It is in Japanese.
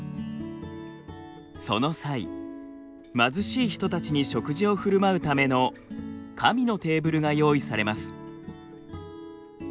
その際貧しい人たちに食事をふるまうための神のテーブルが用意されます。